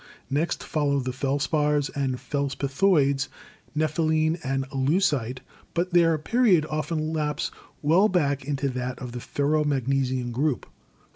Next follow the felspars and felspathoids, nepheline and leucite, but their period often laps well back into that of the ferro magnesian group.